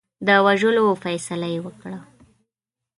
د وژلو فیصله یې وکړه.